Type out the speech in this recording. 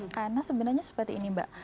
karena sebenarnya seperti ini mbak